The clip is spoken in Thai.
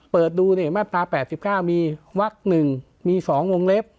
เปิดดูเนี้ยมาตราแปดสิบเก้ามีวักหนึ่งมีสองวงเล็บ